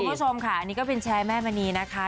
คุณผู้ชมค่ะอันนี้ก็เป็นแชร์แม่มณีนะคะ